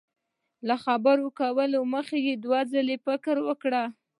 له خبرو کولو مخ کي دوه ځلي فکر وکړه